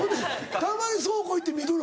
たまに倉庫行って見るの？